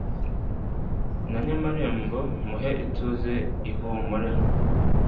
na Nyamarembo muhe ituze ihumure